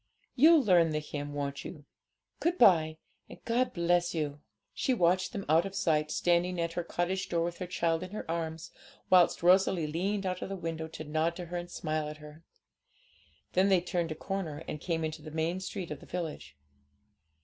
You'll learn the hymn, won't you? Good bye, and God bless you!' She watched them out of sight, standing at her cottage door with her child in her arms, whilst Rosalie leaned out of the window to nod to her and smile at her. Then they turned a corner, and came into the main street of the village.